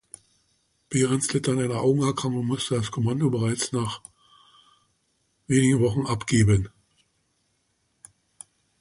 Behrends litt an einer Augenerkrankung und musste das Kommando bereits nach wenigen Wochen abgeben.